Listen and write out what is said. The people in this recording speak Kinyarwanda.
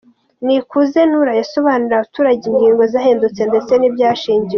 Nikuze Nura, yasobanuriye abaturage ingingo zahindutse ndetse n’ibyashingiweho.